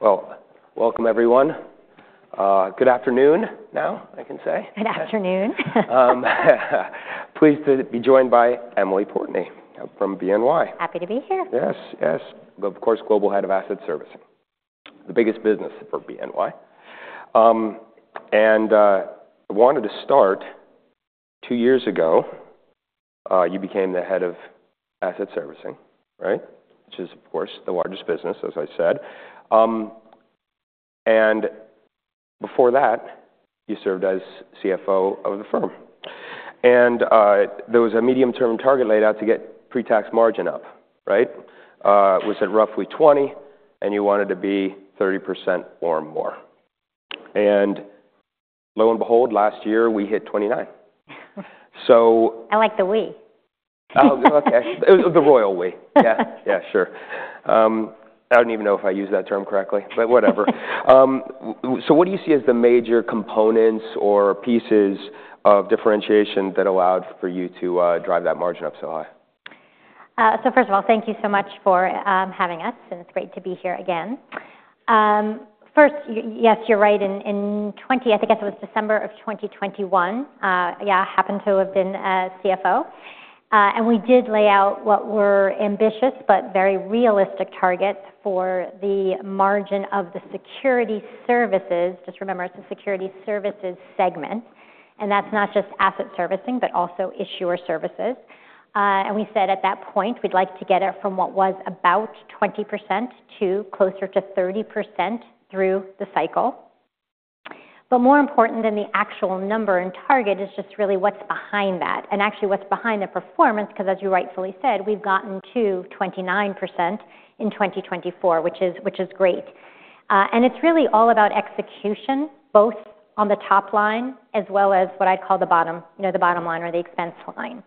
Welcome everyone. Good afternoon now, I can say. Good afternoon. Pleased to be joined by Emily Portney from BNY. Happy to be here. Yes, yes. Of course, Global Head of Asset Servicing, the biggest business for BNY. And I wanted to start two years ago, you became the Head of Asset Servicing, right? Which is, of course, the largest business, as I said. And before that, you served as CFO of the firm. And there was a medium-term target laid out to get pre-tax margin up, right? It was at roughly 20%, and you wanted to be 30% or more. And lo and behold, last year we hit 29%. So. I like the we. Oh, okay. The royal we. Yeah, yeah, sure. I don't even know if I used that term correctly, but whatever. So what do you see as the major components or pieces of differentiation that allowed for you to drive that margin up so high? So first of all, thank you so much for having us, and it's great to be here again. First, yes, you're right. In 2021, I think it was December of 2021, yeah, I happened to have been CFO. And we did lay out what were ambitious but very realistic targets for the margin of the Securities Services. Just remember, it's a Securities Services segment, and that's not just Asset Servicing, but also Issuer Services. And we said at that point, we'd like to get it from what was about 20% to closer to 30% through the cycle. But more important than the actual number and target is just really what's behind that, and actually what's behind the performance, because as you rightfully said, we've gotten to 29% in 2024, which is great. It's really all about execution, both on the top line as well as what I'd call the bottom, the bottom line or the expense line.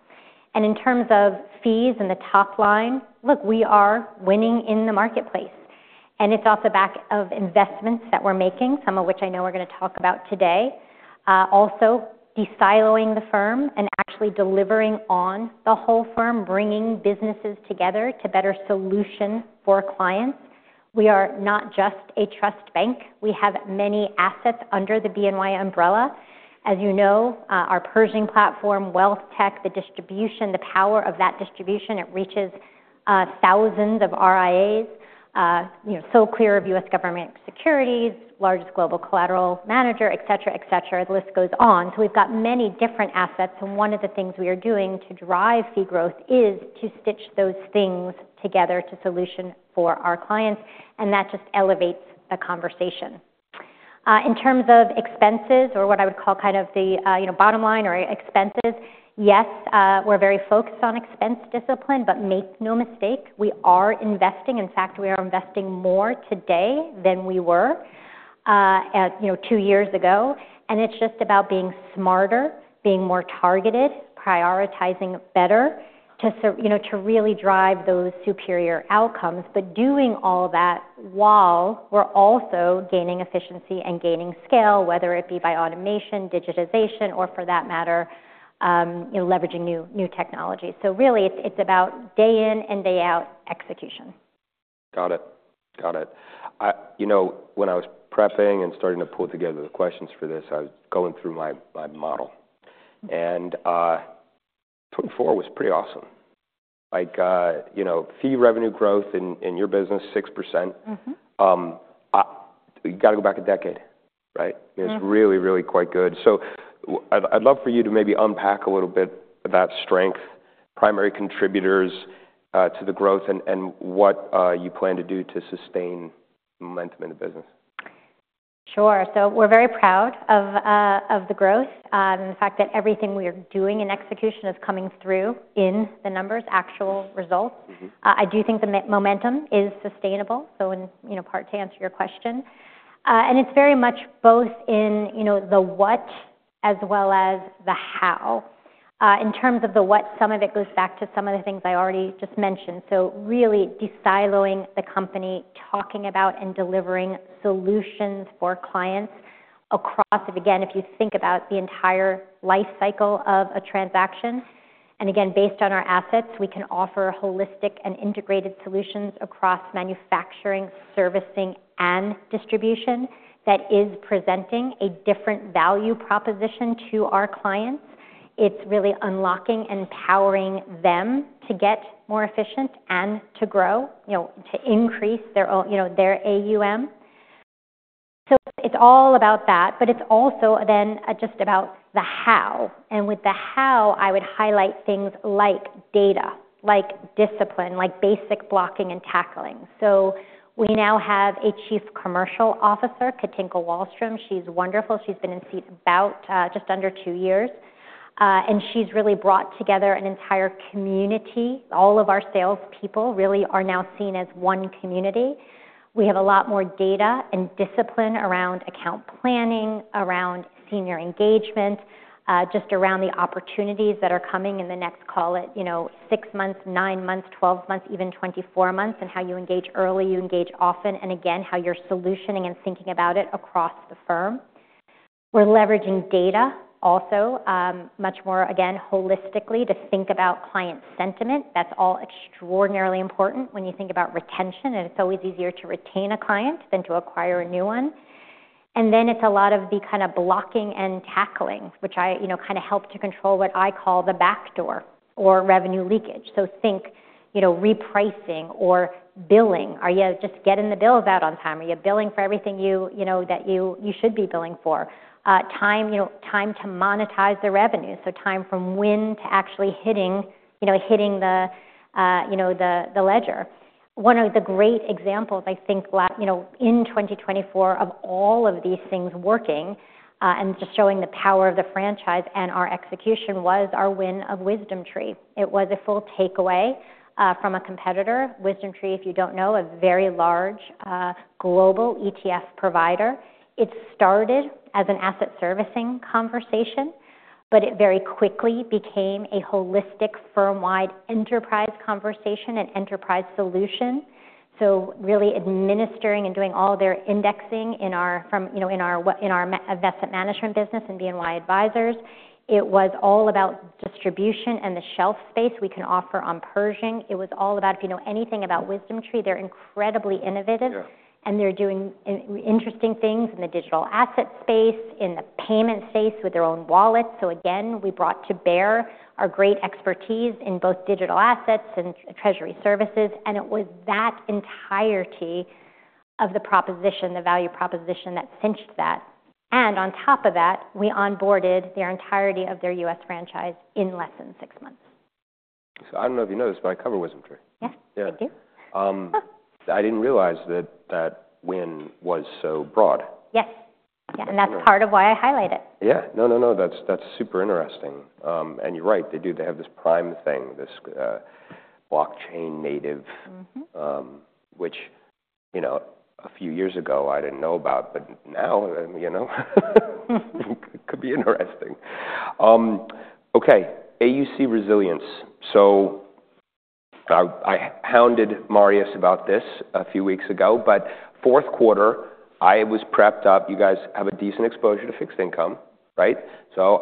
In terms of fees and the top line, look, we are winning in the marketplace. It's off the back of investments that we're making, some of which I know we're going to talk about today. Also, de-siloing the firm and actually delivering on the whole firm, bringing businesses together to better solutions for clients. We are not just a trust bank. We have many assets under the BNY umbrella. As you know, our Pershing platform, WealthTech, the distribution, the power of that distribution, it reaches thousands of RIAs, so, clearer of U.S. government securities, largest global collateral manager, et cetera, et cetera. The list goes on. So we've got many different assets. And one of the things we are doing to drive fee growth is to stitch those things together to solution for our clients. And that just elevates the conversation. In terms of expenses, or what I would call kind of the bottom line or expenses, yes, we're very focused on expense discipline, but make no mistake, we are investing. In fact, we are investing more today than we were two years ago. And it's just about being smarter, being more targeted, prioritizing better to really drive those superior outcomes. But doing all that while we're also gaining efficiency and gaining scale, whether it be by automation, digitization, or for that matter, leveraging new technologies. So really, it's about day in and day out execution. Got it. Got it. When I was prepping and starting to pull together the questions for this, I was going through my model. And 2024 was pretty awesome. Fee revenue growth in your business, 6%. You got to go back a decade, right? It's really, really quite good. So I'd love for you to maybe unpack a little bit of that strength, primary contributors to the growth, and what you plan to do to sustain momentum in the business. Sure. So we're very proud of the growth and the fact that everything we are doing in execution is coming through in the numbers, actual results. I do think the momentum is sustainable, so in part to answer your question, and it's very much both in the what as well as the how. In terms of the what, some of it goes back to some of the things I already just mentioned, so really de-siloing the company, talking about and delivering solutions for clients across, again, if you think about the entire life cycle of a transaction, and again, based on our assets, we can offer holistic and integrated solutions across manufacturing, servicing, and distribution that is presenting a different value proposition to our clients. It's really unlocking and empowering them to get more efficient and to grow, to increase their AUM. So it's all about that, but it's also then just about the how. And with the how, I would highlight things like data, like discipline, like basic blocking and tackling. So we now have a Chief Commercial Officer, Cathinka Wahlstrom. She's wonderful. She's been in seat about just under two years. And she's really brought together an entire community. All of our salespeople really are now seen as one community. We have a lot more data and discipline around account planning, around senior engagement, just around the opportunities that are coming in the next, call it six months, nine months, 12 months, even 24 months, and how you engage early, you engage often, and again, how you're solutioning and thinking about it across the firm. We're leveraging data also, much more, again, holistically to think about client sentiment. That's all extraordinarily important when you think about retention, and it's always easier to retain a client than to acquire a new one. And then it's a lot of the kind of blocking and tackling, which I kind of help to control what I call the backdoor or revenue leakage. So think repricing or billing. Are you just getting the bills out on time? Are you billing for everything that you should be billing for? Time to monetize the revenue, so time from win to actually hitting the ledger. One of the great examples, I think, in 2024, of all of these things working and just showing the power of the franchise and our execution was our win of WisdomTree. It was a full takeaway from a competitor, WisdomTree, if you don't know, a very large global ETF provider. It started as an asset servicing conversation, but it very quickly became a holistic firm-wide enterprise conversation and enterprise solution, so really administering and doing all their indexing in our investment management business and BNY Advisors. It was all about distribution and the shelf space we can offer on Pershing. It was all about, if you know anything about WisdomTree, they're incredibly innovative, and they're doing interesting things in the digital asset space, in the payment space with their own wallets, so again, we brought to bear our great expertise in both digital assets and treasury services, and it was that entirety of the proposition, the value proposition that cinched that, and on top of that, we onboarded their entirety of their U.S. franchise in less than six months. So I don't know if you noticed, but I covered WisdomTree. Yes, I do. I didn't realize that win was so broad. Yes. Yeah, and that's part of why I highlight it. Yeah. No, no, no. That's super interesting, and you're right. They do. They have this prime thing, this blockchain native, which a few years ago I didn't know about, but now it could be interesting. Okay. AUC resilience. So I hounded Marius about this a few weeks ago, but fourth quarter, I was prepped up. You guys have a decent exposure to fixed income, right? So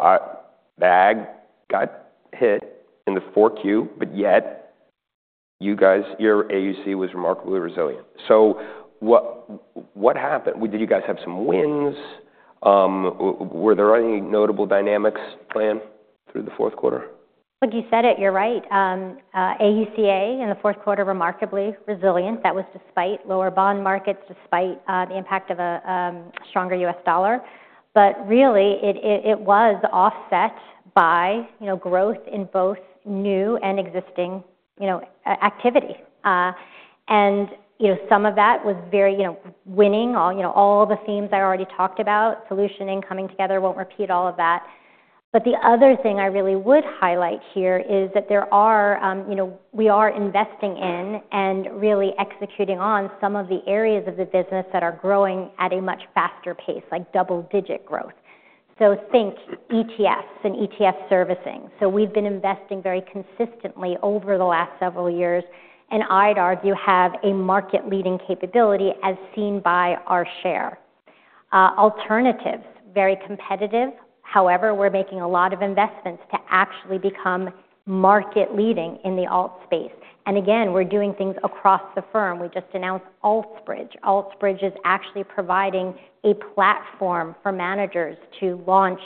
BofA got hit in the 4Q, but yet your AUC was remarkably resilient. So what happened? Did you guys have some wins? Were there any notable dynamics planned through the fourth quarter? Like you said it, you're right. AUCA in the fourth quarter, remarkably resilient. That was despite lower bond markets, despite the impact of a stronger U.S. dollar, but really, it was offset by growth in both new and existing activity, and some of that was very winning. All the themes I already talked about, solutioning, coming together, won't repeat all of that, but the other thing I really would highlight here is that we are investing in and really executing on some of the areas of the business that are growing at a much faster pace, like double-digit growth, so think ETFs and ETF servicing, so we've been investing very consistently over the last several years and I'd argue have a market-leading capability as seen by our share. Alternatives, very competitive. However, we're making a lot of investments to actually become market-leading in the alt space. And again, we're doing things across the firm. We just announced Alts Bridge. Alts Bridge is actually providing a platform for managers to launch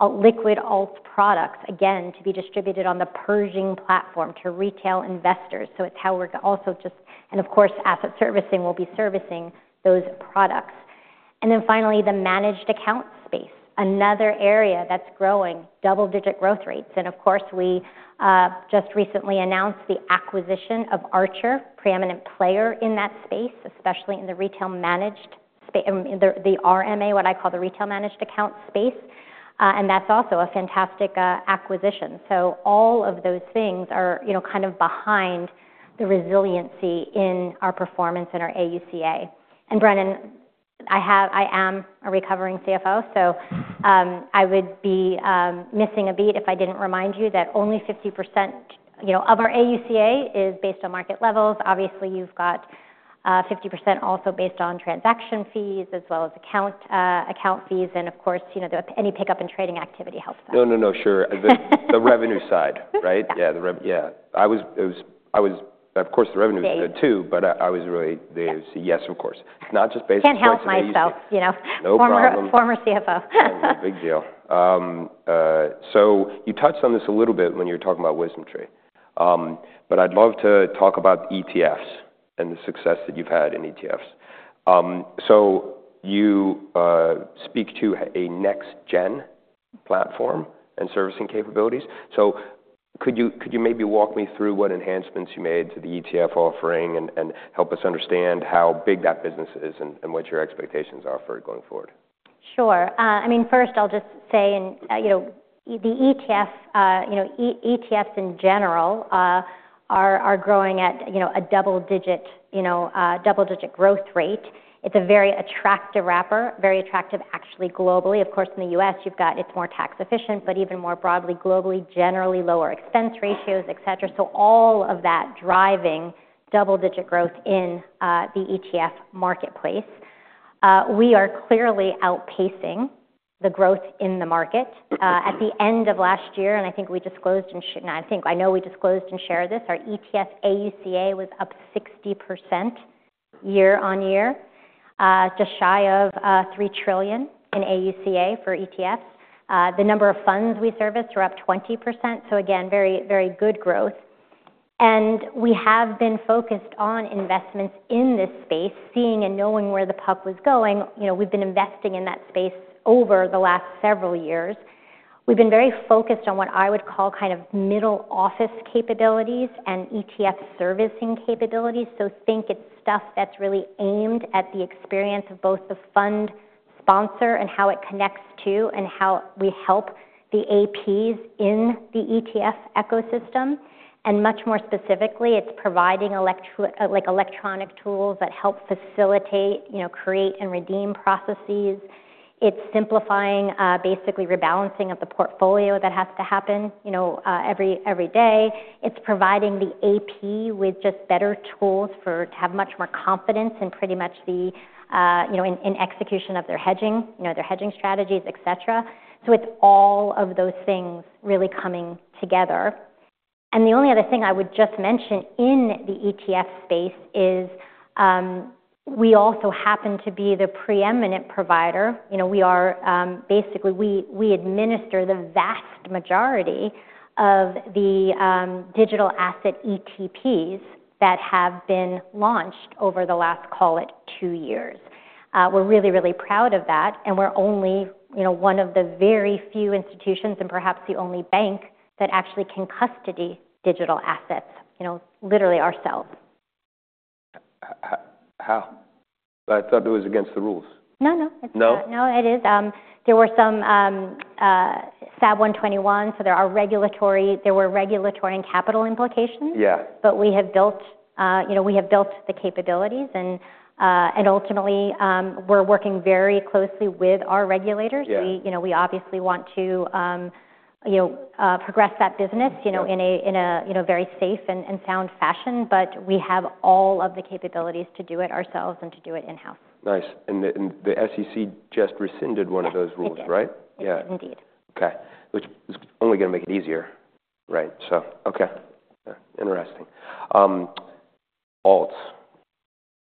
liquid alt products, again, to be distributed on the Pershing platform to retail investors. So it's how we're also just, and of course, asset servicing will be servicing those products. And then finally, the managed account space, another area that's growing, double-digit growth rates. And of course, we just recently announced the acquisition of Archer, preeminent player in that space, especially in the retail managed space, the RMA, what I call the retail managed account space. And that's also a fantastic acquisition. So all of those things are kind of behind the resiliency in our performance and our AUCA. And Brennan, I am a recovering CFO, so I would be missing a beat if I didn't remind you that only 50% of our AUCA is based on market levels. Obviously, you've got 50% also based on transaction fees as well as account fees. And of course, any pickup in trading activity helps that. No, no, no. Sure. The revenue side, right? Yeah. Yeah. Of course, the revenue is good too, but I was really, yes, of course. Not just based on market levels. Can't help myself. No problem. Former CFO. Big deal. So you touched on this a little bit when you were talking about WisdomTree, but I'd love to talk about ETFs and the success that you've had in ETFs. So you speak to a next-gen platform and servicing capabilities. So could you maybe walk me through what enhancements you made to the ETF offering and help us understand how big that business is and what your expectations are for it going forward? Sure. I mean, first, I'll just say the ETFs in general are growing at a double-digit growth rate. It's a very attractive wrapper, very attractive actually globally. Of course, in the U.S., you've got it's more tax efficient, but even more broadly globally, generally lower expense ratios, et cetera. So all of that driving double-digit growth in the ETF marketplace. We are clearly outpacing the growth in the market. At the end of last year, and I think we disclosed and I think I know we disclosed and shared this, our ETF AUCA was up 60% year-on-year, just shy of $3 trillion in AUCA for ETFs. The number of funds we serviced were up 20%. So again, very good growth. And we have been focused on investments in this space, seeing and knowing where the puck was going. We've been investing in that space over the last several years. We've been very focused on what I would call kind of middle office capabilities and ETF servicing capabilities. So think it's stuff that's really aimed at the experience of both the fund sponsor and how it connects to and how we help the APs in the ETF ecosystem. And much more specifically, it's providing electronic tools that help facilitate, create, and redeem processes. It's simplifying, basically rebalancing of the portfolio that has to happen every day. It's providing the AP with just better tools to have much more confidence in pretty much the execution of their hedging, their hedging strategies, et cetera. So it's all of those things really coming together. And the only other thing I would just mention in the ETF space is we also happen to be the preeminent provider. Basically, we administer the vast majority of the digital asset ETPs that have been launched over the last, call it, two years. We're really, really proud of that. And we're only one of the very few institutions and perhaps the only bank that actually can custody digital assets, literally ourselves. How? I thought it was against the rules. No, no. No? No, it is. There were some SAB 121, so there were regulatory and capital implications. Yeah. But we have built the capabilities. And ultimately, we're working very closely with our regulators. We obviously want to progress that business in a very safe and sound fashion, but we have all of the capabilities to do it ourselves and to do it in-house. Nice. And the SEC just rescinded one of those rules, right? Yes, indeed. Okay. Which is only going to make it easier, right? So, okay. Interesting. Alts.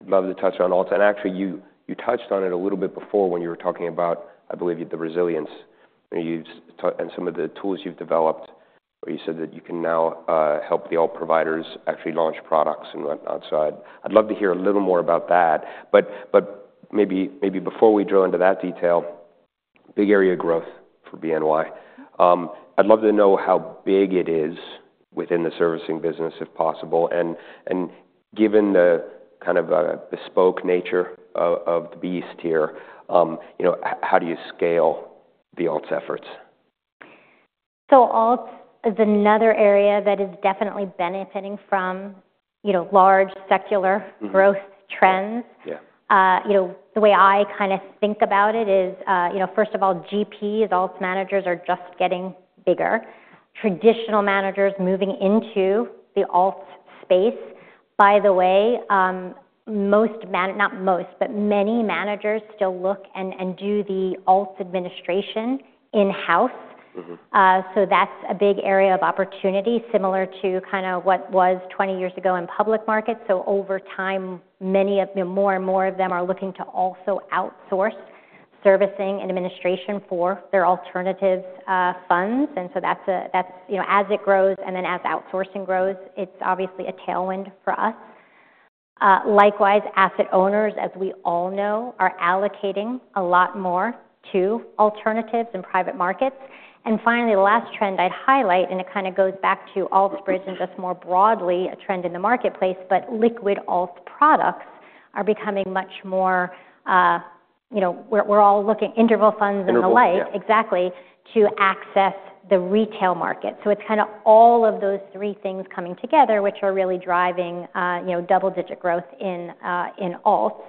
Love to touch on alts. And actually, you touched on it a little bit before when you were talking about, I believe, the resilience and some of the tools you've developed where you said that you can now help the alt providers actually launch products and whatnot. So I'd love to hear a little more about that. But maybe before we drill into that detail, big area of growth for BNY. I'd love to know how big it is within the servicing business, if possible. And given the kind of bespoke nature of the beast here, how do you scale the alts efforts? So alts is another area that is definitely benefiting from large secular growth trends. The way I kind of think about it is, first of all, GPs, alt managers are just getting bigger. Traditional managers moving into the alt space. By the way, not most, but many managers still look and do the alt administration in-house. So that's a big area of opportunity, similar to kind of what was 20 years ago in public markets. So over time, many of more and more of them are looking to also outsource servicing and administration for their alternative funds. And so that's, as it grows and then as outsourcing grows, it's obviously a tailwind for us. Likewise, asset owners, as we all know, are allocating a lot more to alternatives and private markets. And finally, the last trend I'd highlight, and it kind of goes back to Altbridge and just more broadly a trend in the marketplace, but liquid alt products are becoming much more where we're all looking at interval funds and the like. Intervals. Exactly, to access the retail market. So it's kind of all of those three things coming together, which are really driving double-digit growth in alts.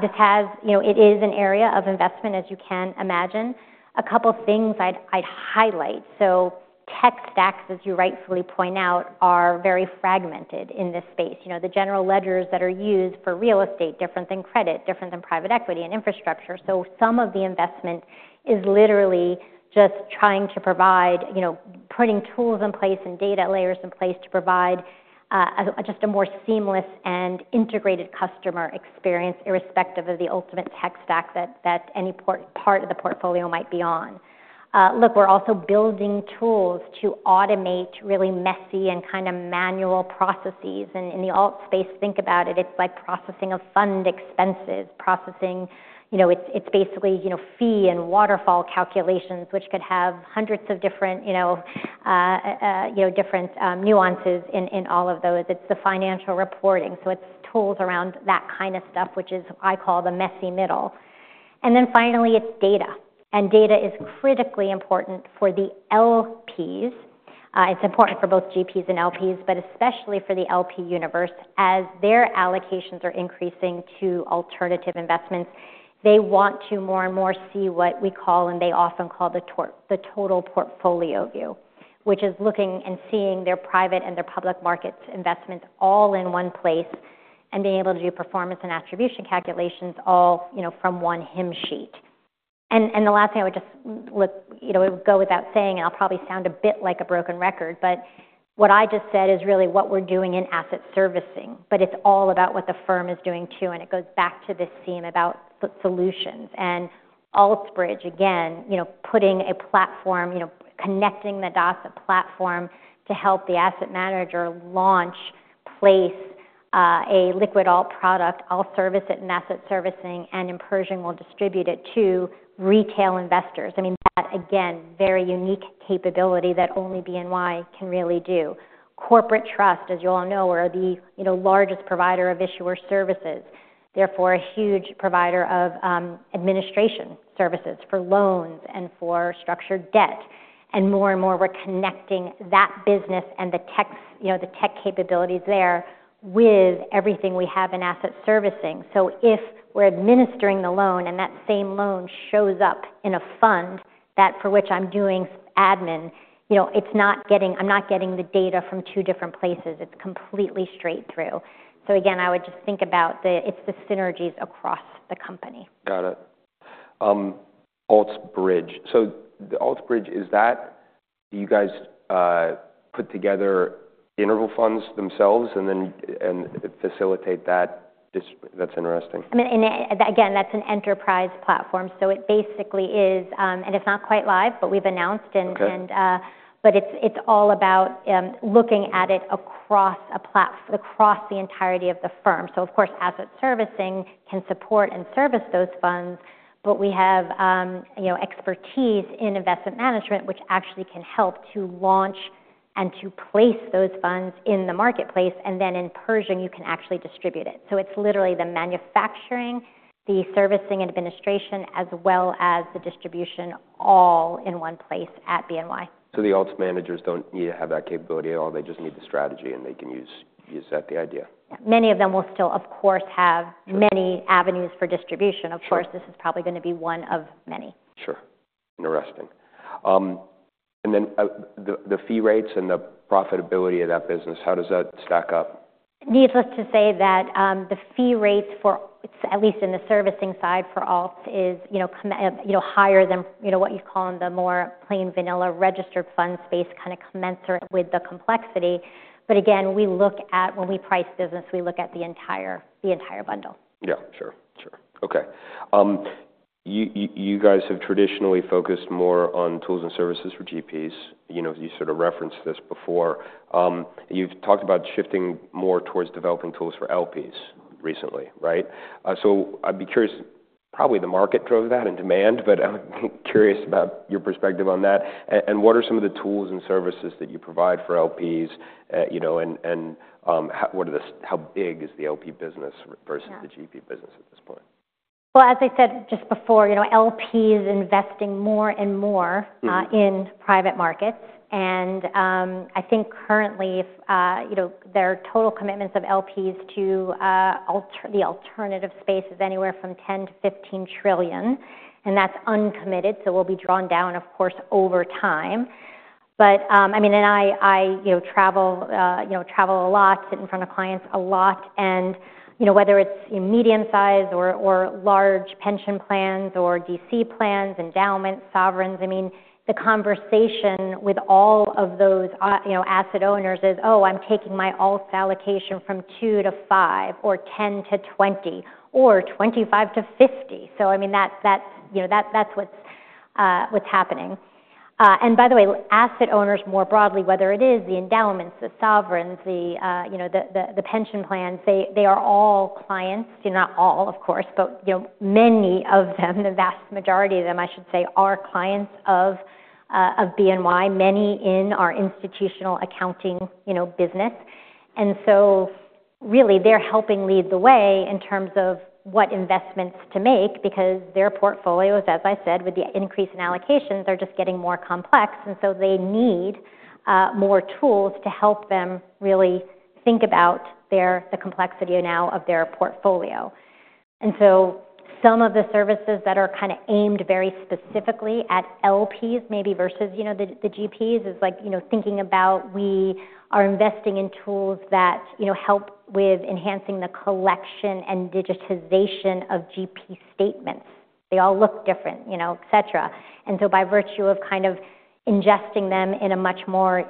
This has, it is an area of investment, as you can imagine. A couple of things I'd highlight. So tech stacks, as you rightfully point out, are very fragmented in this space. The general ledgers that are used for real estate are different than credit, different than private equity, and infrastructure. So some of the investment is literally just trying to provide, putting tools in place and data layers in place to provide just a more seamless and integrated customer experience, irrespective of the ultimate tech stack that any part of the portfolio might be on. Look, we're also building tools to automate really messy and kind of manual processes. And in the alt space, think about it, it's like processing of fund expenses, processing, it's basically fee and waterfall calculations, which could have hundreds of different nuances in all of those. It's the financial reporting. So it's tools around that kind of stuff, which is what I call the messy middle. And then finally, it's data. And data is critically important for the LPs. It's important for both GPs and LPs, but especially for the LP universe, as their allocations are increasing to alternative investments. They want to more and more see what we call, and they often call the total portfolio view, which is looking and seeing their private and their public markets investments all in one place and being able to do performance and attribution calculations all from one hymn sheet. The last thing I would just look, it would go without saying, and I'll probably sound a bit like a broken record, but what I just said is really what we're doing in asset servicing, but it's all about what the firm is doing too. It goes back to this theme about solutions. And Altbridge, again, putting a platform, connecting the dots of platform to help the asset manager launch, place a liquid alt product, we'll service it in asset servicing, and in Pershing, we'll distribute it to retail investors. I mean, that, again, very unique capability that only BNY can really do. Corporate Trust, as you all know, we're the largest provider of issuer services, therefore a huge provider of administration services for loans and for structured debt. And more and more, we're connecting that business and the tech capabilities there with everything we have in Asset Servicing. So if we're administering the loan and that same loan shows up in a fund for which I'm doing admin, I'm not getting the data from two different places. It's completely straight through. So again, I would just think about the. It's the synergies across the company. Got it. Altbridge. So the Altbridge, is that, do you guys put together interval funds themselves and then facilitate that? That's interesting. I mean, again, that's an enterprise platform. So it basically is, and it's not quite live, but we've announced, but it's all about looking at it across the entirety of the firm. So of course, Asset Servicing can support and service those funds, but we have expertise in investment management, which actually can help to launch and to place those funds in the marketplace, and then in Pershing, you can actually distribute it. So it's literally the manufacturing, the servicing administration, as well as the distribution all in one place at BNY. So the alt managers don't need to have that capability at all. They just need the strategy and they can use that, the idea. Many of them will still, of course, have many avenues for distribution. Of course, this is probably going to be one of many. Sure. Interesting. And then the fee rates and the profitability of that business, how does that stack up? Needless to say that the fee rates for, at least in the servicing side for alts, is higher than what you call in the more plain vanilla registered fund space, kind of commensurate with the complexity, but again, we look at when we price business, we look at the entire bundle. Yeah. Sure. Sure. Okay. You guys have traditionally focused more on tools and services for GPs. You sort of referenced this before. You've talked about shifting more towards developing tools for LPs recently, right? So I'd be curious, probably the market drove that and demand, but I'm curious about your perspective on that. And what are some of the tools and services that you provide for LPs, and what are the, how big is the LP business versus the GP business at this point? As I said just before, LPs are investing more and more in private markets. And I think currently, their total commitments of LPs to the alternative space is anywhere from $10 trillion-$ 15 trillion. And that's uncommitted. So it will be drawn down, of course, over time. But I mean, and I travel a lot in front of clients a lot. And whether it's medium size or large pension plans or DC plans, endowments, sovereigns, I mean, the conversation with all of those asset owners is, "Oh, I'm taking my alt allocation from 2%-5% or 10%-20% or 25%-50%." So I mean, that's what's happening. And by the way, asset owners more broadly, whether it is the endowments, the sovereigns, the pension plans, they are all clients. They're not all, of course, but many of them, the vast majority of them, I should say, are clients of BNY, many in our institutional accounting business, and so really, they're helping lead the way in terms of what investments to make because their portfolios, as I said, with the increase in allocations, are just getting more complex, and so they need more tools to help them really think about the complexity now of their portfolio, and so some of the services that are kind of aimed very specifically at LPs, maybe versus the GPs, is like thinking about we are investing in tools that help with enhancing the collection and digitization of GP statements. They all look different, et cetera. And so by virtue of kind of ingesting them in a much more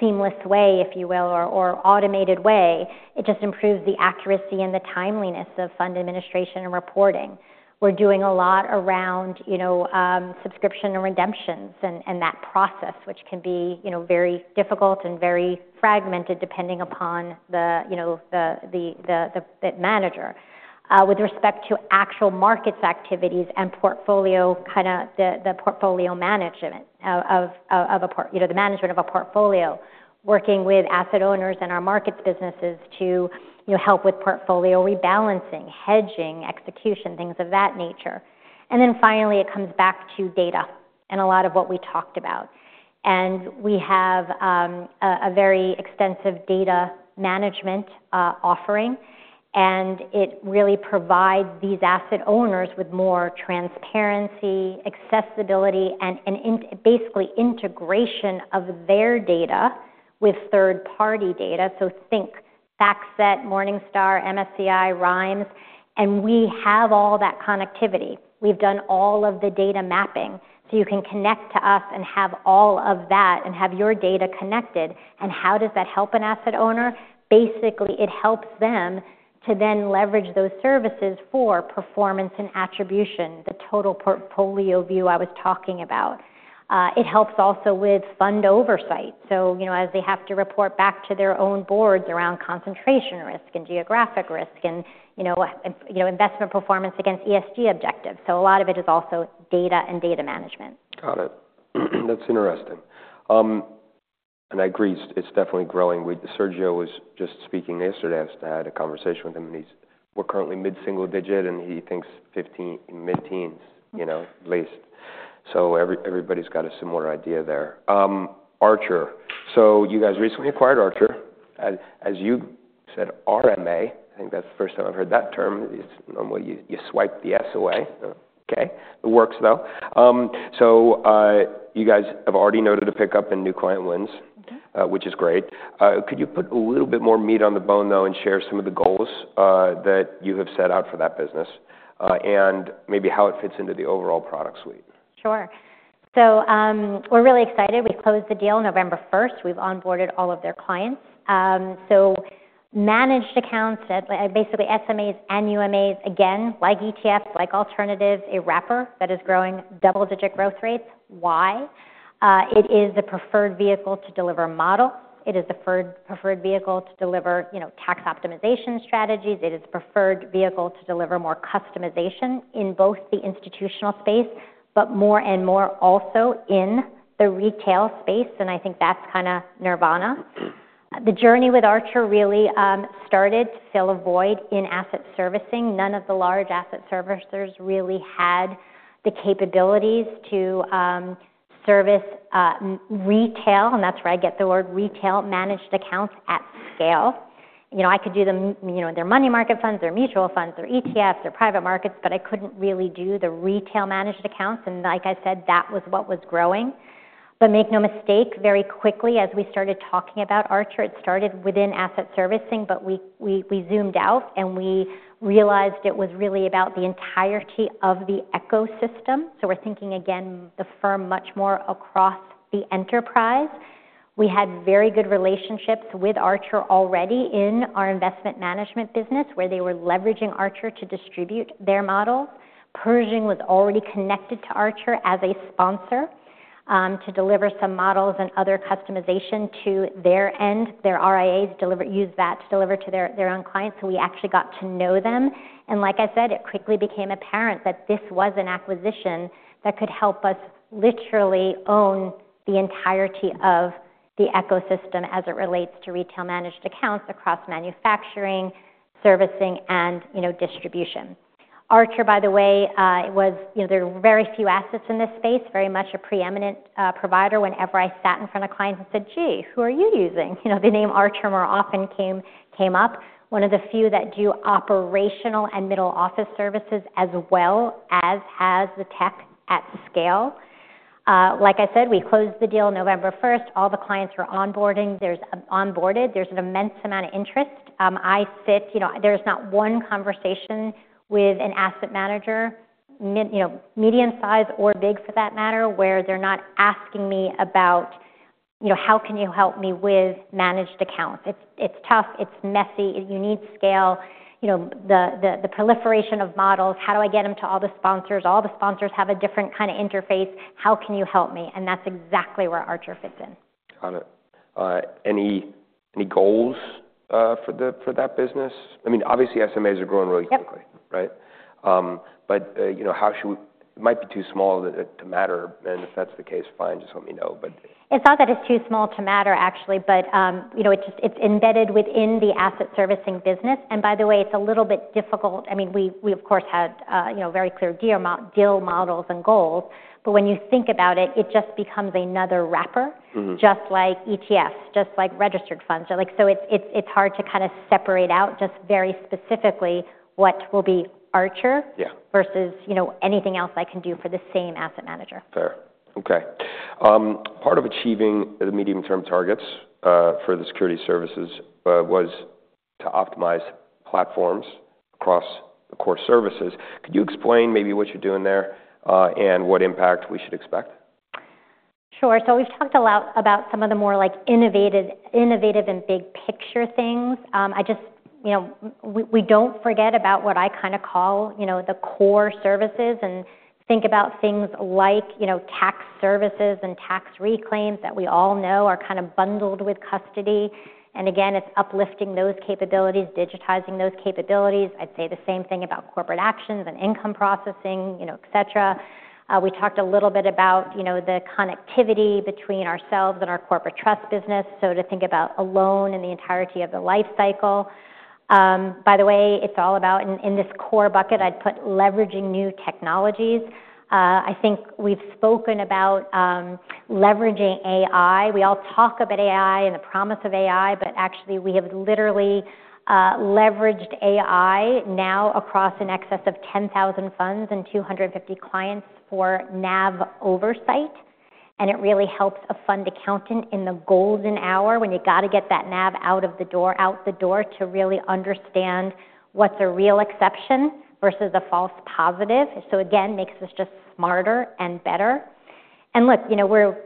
seamless way, if you will, or automated way, it just improves the accuracy and the timeliness of fund administration and reporting. We're doing a lot around subscription and redemptions and that process, which can be very difficult and very fragmented depending upon the manager. With respect to actual markets activities and portfolio, kind of the portfolio management of the management of a portfolio, working with asset owners and our markets businesses to help with portfolio rebalancing, hedging, execution, things of that nature. And then finally, it comes back to data and a lot of what we talked about. And we have a very extensive data management offering. And it really provides these asset owners with more transparency, accessibility, and basically integration of their data with third-party data. So think FactSet, Morningstar, MSCI, Rimes. And we have all that connectivity. We've done all of the data mapping. So you can connect to us and have all of that and have your data connected. And how does that help an asset owner? Basically, it helps them to then leverage those services for performance and attribution, the total portfolio view I was talking about. It helps also with fund oversight. So as they have to report back to their own boards around concentration risk and geographic risk and investment performance against ESG objectives. So a lot of it is also data and data management. Got it. That's interesting, and I agree, it's definitely growing. Sergio was just speaking yesterday. I had a conversation with him and he's, we're currently mid-single digit and he thinks mid-teens, at least, so everybody's got a similar idea there. Archer, so you guys recently acquired Archer. As you said, RMA, I think that's the first time I've heard that term. It's normally you swipe the S away. Okay. It works though, so you guys have already noted a pickup in new client wins, which is great. Could you put a little bit more meat on the bone though and share some of the goals that you have set out for that business and maybe how it fits into the overall product suite? Sure. So we're really excited. We closed the deal November 1st. We've onboarded all of their clients. So managed accounts, basically SMAs and UMAs, again, like ETFs, like alternatives, a wrapper that is growing double-digit growth rates. Why? It is the preferred vehicle to deliver model. It is the preferred vehicle to deliver tax optimization strategies. It is the preferred vehicle to deliver more customization in both the institutional space, but more and more also in the retail space. And I think that's kind of Nirvana. The journey with Archer really started to fill a void in asset servicing. None of the large asset servicers really had the capabilities to service retail. And that's where I get the word retail managed accounts at scale. I could do their money market funds, their mutual funds, their ETFs, their private markets, but I couldn't really do the retail managed accounts. Like I said, that was what was growing. But make no mistake, very quickly as we started talking about Archer, it started within Asset Servicing, but we zoomed out and we realized it was really about the entirety of the ecosystem. So we're thinking again the firm much more across the enterprise. We had very good relationships with Archer already in our investment management business where they were leveraging Archer to distribute their models. Pershing was already connected to Archer as a sponsor to deliver some models and other customization to their end. Their RIAs use that to deliver to their own clients. So we actually got to know them. Like I said, it quickly became apparent that this was an acquisition that could help us literally own the entirety of the ecosystem as it relates to retail managed accounts across manufacturing, servicing, and distribution. Archer, by the way, there are very few assets in this space, very much a preeminent provider. Whenever I sat in front of clients and said, "Gee, who are you using?" the name Archer more often came up. One of the few that do operational and middle office services as well as has the tech at scale. Like I said, we closed the deal November 1st. All the clients were onboarding. There's onboarded, there's an immense amount of interest. I sit, there's not one conversation with an asset manager, medium size or big for that matter, where they're not asking me about, "How can you help me with managed accounts?" It's tough. It's messy. You need scale, the proliferation of models. How do I get them to all the sponsors? All the sponsors have a different kind of interface. How can you help me? That's exactly where Archer fits in. Got it. Any goals for that business? I mean, obviously SMAs are growing really quickly, right? But how should we, it might be too small to matter. And if that's the case, fine, just let me know. It's not that it's too small to matter, actually, but it's embedded within the Asset Servicing business. And by the way, it's a little bit difficult. I mean, we of course had very clear deal models and goals, but when you think about it, it just becomes another wrapper, just like ETFs, just like registered funds. So it's hard to kind of separate out just very specifically what will be Archer versus anything else I can do for the same asset manager. Fair. Okay. Part of achieving the medium-term targets for the security services was to optimize platforms across the core services. Could you explain maybe what you're doing there and what impact we should expect? Sure. So we've talked a lot about some of the more innovative and big picture things. We don't forget about what I kind of call the core services and think about things like tax services and tax reclaims that we all know are kind of bundled with custody. And again, it's uplifting those capabilities, digitizing those capabilities. I'd say the same thing about corporate actions and income processing, et cetera. We talked a little bit about the connectivity between ourselves and our corporate trust business. So to think about a loan and the entirety of the life cycle. By the way, it's all about, in this core bucket, I'd put leveraging new technologies. I think we've spoken about leveraging AI. We all talk about AI and the promise of AI, but actually we have literally leveraged AI now across an excess of 10,000 funds and 250 clients for NAV oversight. And it really helps a fund accountant in the Golden Hour when you got to get that NAV out of the door to really understand what's a real exception versus a false positive. So again, makes us just smarter and better. And look,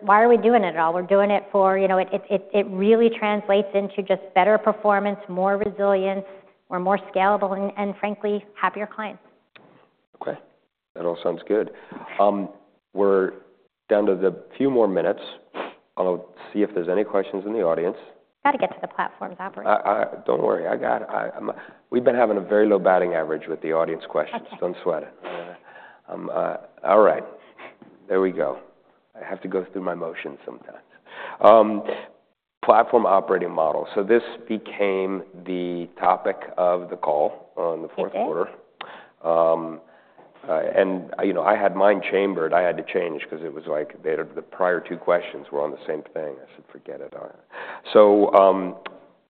why are we doing it at all? We're doing it for, it really translates into just better performance, more resilience, we're more scalable and frankly, happier clients. Okay. That all sounds good. We're down to a few more minutes. I'll see if there's any questions in the audience. Got to get to the platform operating. Don't worry. We've been having a very low batting average with the audience questions. Don't sweat. All right. There we go. I have to go through my motions sometimes. Platform Operating Model. So this became the topic of the call on the fourth quarter. And I had mine chambered. I had to change because it was like the prior two questions were on the same thing. I said, "Forget it." So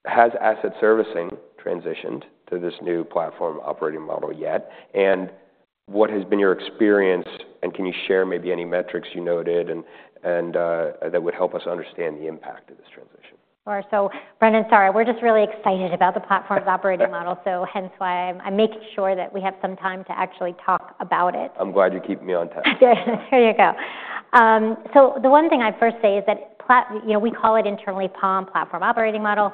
has Asset Servicing transitioned to this new Platform Operating Model yet? And what has been your experience and can you share maybe any metrics you noted that would help us understand the impact of this transition? So, Brennan, sorry, we're just really excited about the platform's operating model. So hence why I'm making sure that we have some time to actually talk about it. I'm glad you keep me on task. There you go. So the one thing I first say is that we call it internally POM, Platform Operating Model,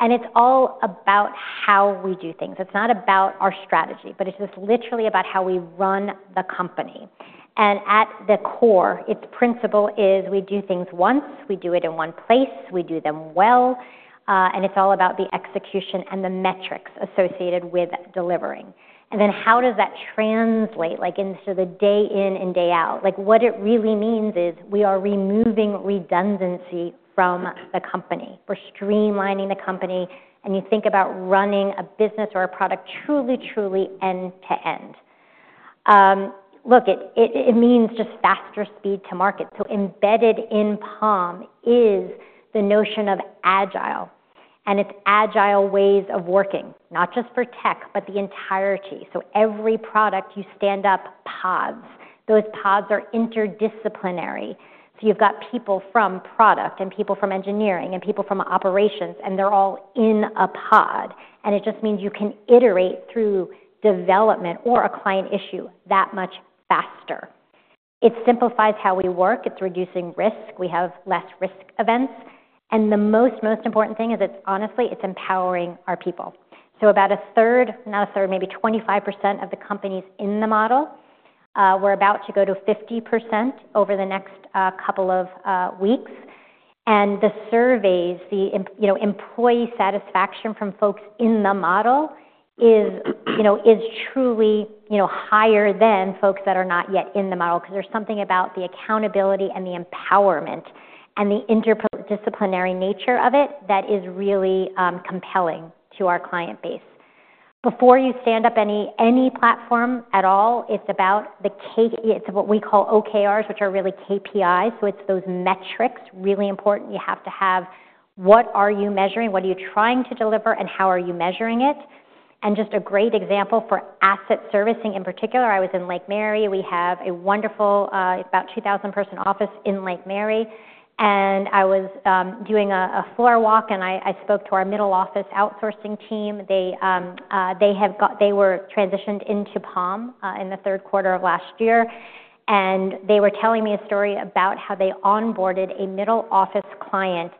and it's all about how we do things. It's not about our strategy, but it's just literally about how we run the company. At the core, its principle is we do things once, we do it in one place, we do them well, and it's all about the execution and the metrics associated with delivering. Then how does that translate into the day in and day out? What it really means is we are removing redundancy from the company. We're streamlining the company, and you think about running a business or a product truly, truly end to end. Look, it means just faster speed to market. Embedded in POM is the notion of agile, and it's agile ways of working, not just for tech, but the entirety. So every product you stand up pods. Those pods are interdisciplinary. So you've got people from product and people from engineering and people from operations and they're all in a pod. And it just means you can iterate through development or a client issue that much faster. It simplifies how we work. It's reducing risk. We have less risk events. And the most, most important thing is honestly, it's empowering our people. So about a 1/3, not a 1/3, maybe 25% of the companies in the model. We're about to go to 50% over the next couple of weeks. And the surveys, the employee satisfaction from folks in the model is truly higher than folks that are not yet in the model. Because there's something about the accountability and the empowerment and the interdisciplinary nature of it that is really compelling to our client base. Before you stand up any platform at all, it's about the, it's what we call OKRs, which are really KPIs. So it's those metrics, really important. You have to have what are you measuring, what are you trying to deliver, and how are you measuring it? And just a great example for asset servicing in particular, I was in Lake Mary. We have a wonderful, about 2,000-person office in Lake Mary. And I was doing a floor walk and I spoke to our middle office outsourcing team. They were transitioned into POM in the third quarter of last year. And they were telling me a story about how they onboarded a middle office client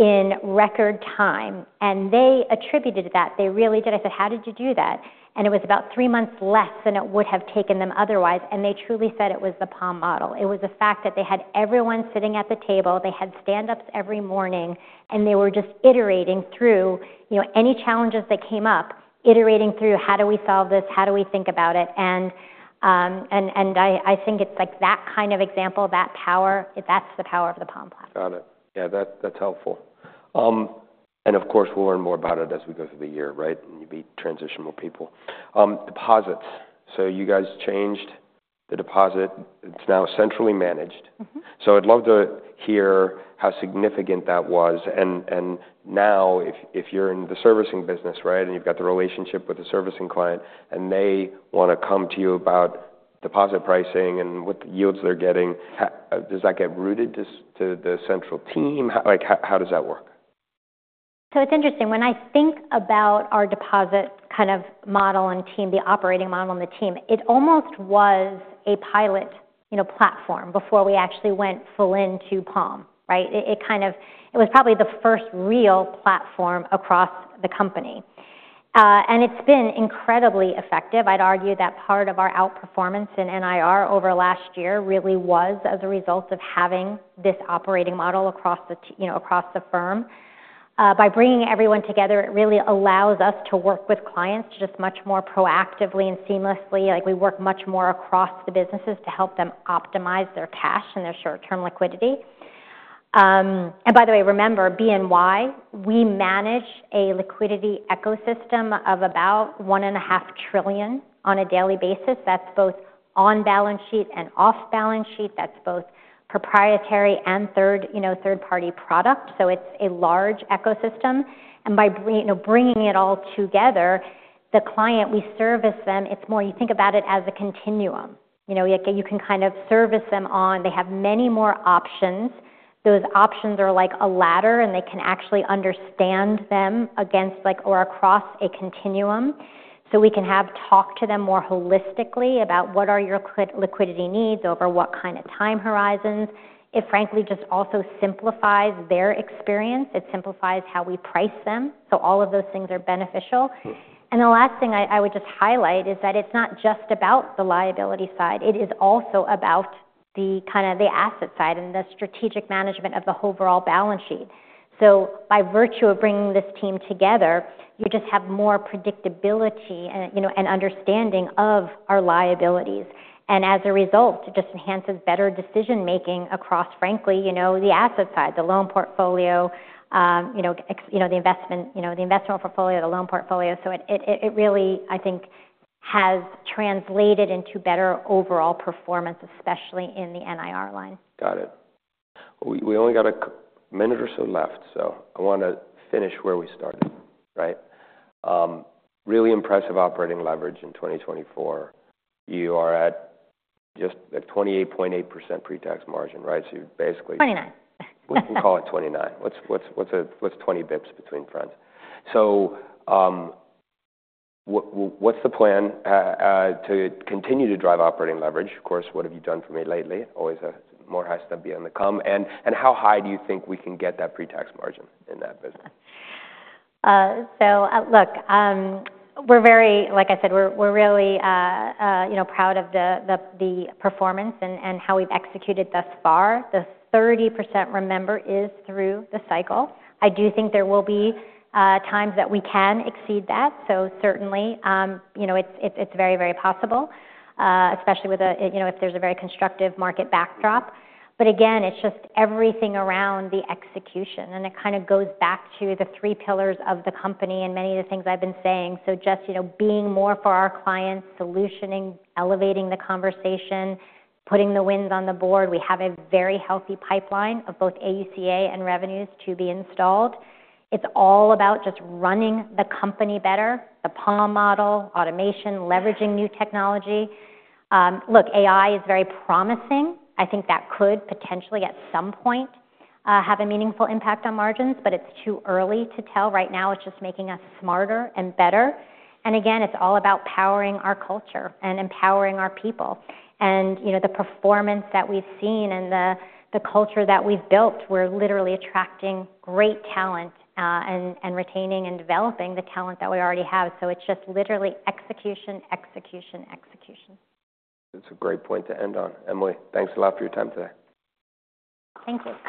in record time. And they attributed that. They really did. I said, "How did you do that?" And it was about three months less than it would have taken them otherwise. They truly said it was the POM model. It was the fact that they had everyone sitting at the table, they had stand-ups every morning, and they were just iterating through any challenges that came up, iterating through how do we solve this, how do we think about it? I think it's like that kind of example, that power, that's the power of the POM platform. Got it. Yeah, that's helpful. And of course, we'll learn more about it as we go through the year, right? And you'll be transitioning more people. Deposits. So you guys changed the deposit. It's now centrally managed. So I'd love to hear how significant that was. And now if you're in the servicing business, right, and you've got the relationship with a servicing client and they want to come to you about deposit pricing and what the yields they're getting, does that get rooted to the central team? How does that work? It's interesting. When I think about our deposit kind of model and team, the operating model and the team, it almost was a pilot platform before we actually went full into POM, right? It kind of, it was probably the first real platform across the company. It's been incredibly effective. I'd argue that part of our outperformance in NIR over last year really was as a result of having this operating model across the firm. By bringing everyone together, it really allows us to work with clients just much more proactively and seamlessly. We work much more across the businesses to help them optimize their cash and their short-term liquidity. By the way, remember BNY, we manage a liquidity ecosystem of about $1.5 trillion on a daily basis. That's both on balance sheet and off balance sheet. That's both proprietary and third-party product. It's a large ecosystem. And by bringing it all together, the client we service, them, it's more you think about it as a continuum. You can kind of service them on; they have many more options. Those options are like a ladder and they can actually understand them against or across a continuum. So we can talk to them more holistically about what are your liquidity needs over what kind of time horizons. It frankly just also simplifies their experience. It simplifies how we price them. So all of those things are beneficial. And the last thing I would just highlight is that it's not just about the liability side. It is also about the kind of the asset side and the strategic management of the overall balance sheet. So by virtue of bringing this team together, you just have more predictability and understanding of our liabilities. And as a result, it just enhances better decision-making across frankly the asset side, the loan portfolio, the investment portfolio. So it really, I think, has translated into better overall performance, especially in the NIR line. Got it. We only got a minute or so left, so I want to finish where we started, right? Really impressive operating leverage in 2024. You are at just a 28.8% pre-tax margin, right? So you're basically. 29. We'll call it 29. What's 20 basis points between friends? So what's the plan to continue to drive operating leverage? Of course, what have you done for me lately? Always a higher step beyond the comp. And how high do you think we can get that pre-tax margin in that business? So look, we're very, like I said, we're really proud of the performance and how we've executed thus far. The 30%, remember, is through the cycle. I do think there will be times that we can exceed that. So certainly, it's very, very possible, especially if there's a very constructive market backdrop. But again, it's just everything around the execution. And it kind of goes back to the three pillars of the company and many of the things I've been saying. So just being more for our clients, solutioning, elevating the conversation, putting the wins on the board. We have a very healthy pipeline of both AUCA and revenues to be installed. It's all about just running the company better, the POM model, automation, leveraging new technology. Look, AI is very promising. I think that could potentially at some point have a meaningful impact on margins, but it's too early to tell. Right now, it's just making us smarter and better. And again, it's all about powering our culture and empowering our people. And the performance that we've seen and the culture that we've built, we're literally attracting great talent and retaining and developing the talent that we already have. So it's just literally execution, execution, execution. It's a great point to end on. Emily, thanks a lot for your time today. Thank you.